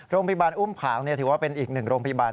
โรงพยาบาลอุ้มผางถือว่าเป็นอีกหนึ่งโรงพยาบาล